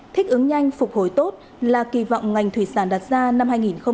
thích ứng nhanh phục hồi tốt là kỳ vọng ngành thủy sản đặt ra năm hai nghìn hai mươi